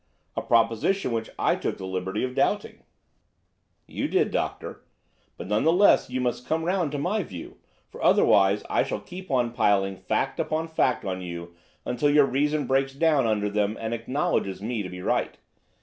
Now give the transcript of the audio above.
"A proposition which I took the liberty of doubting." "You did, Doctor, but none the less you must come round to my view, for otherwise I shall keep on piling fact upon fact on you until your reason breaks down under them and acknowledges me to be right.